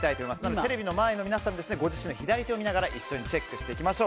テレビの前の皆さんご自身の左手を見ながら一緒にチェックしていきましょう。